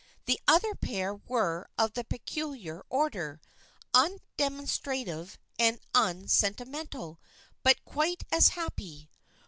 The other pair were of the peculiar order, undemonstrative and unsentimental, but quite as happy.